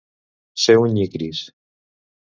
Ser un nyicris.